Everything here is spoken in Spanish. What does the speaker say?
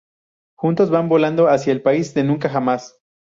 Juntos van volando hacia el país de Nunca Jamás.